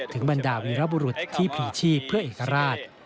บรรดาวีรบุรุษที่พลีชีพเพื่อเอกราช